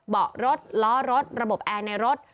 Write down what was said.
เบาะรถล้อรถระบบแอร์ในรถ